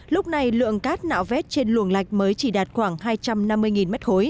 lúc này lượng cát nạo vét trên luồng lạch mới chỉ đạt khoảng hai trăm năm mươi m ba